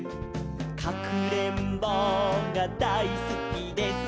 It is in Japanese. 「かくれんぼうがだいすきです」